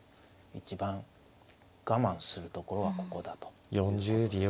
一番我慢するところはここだということです。